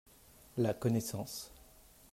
la connaissance.